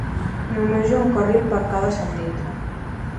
Només hi ha un carril per cada sentit.